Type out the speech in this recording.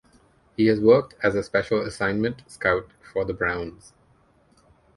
He has worked as a special assignment scout for the Browns.